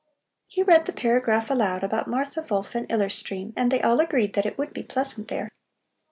He read the paragraph aloud about Martha Wolf in Iller Stream and they all agreed that it would be pleasant there.